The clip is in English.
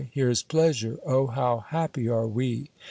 here's pleasure! O how happy are we!"